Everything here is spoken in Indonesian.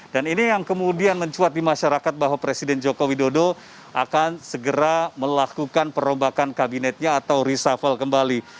dan ini yang kemudian mencuat di masyarakat bahwa presiden joko widodo akan segera melakukan perombakan kabinetnya atau reshuffle kembali